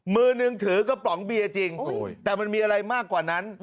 มือนึงถือกระป๋องเบียร์จริงแต่มันมีอะไรมากกว่านั้น